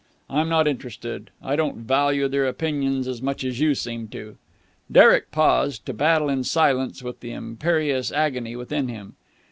I'm not interested. I don't value their opinions as much as you seem to." Derek paused, to battle in silence with the imperious agony within him.